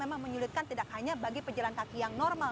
memang menyulitkan tidak hanya bagi pejalan kaki yang normal